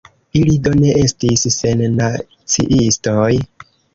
Ili do ne estis sennaciistoj.